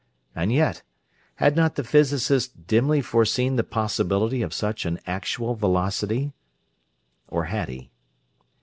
And yet, had not the physicist dimly foreseen the possibility of such an actual velocity or had he?